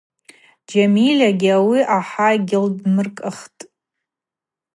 Джьамильагьи ауи ахӏа йгьылдмыркӏыхтӏ.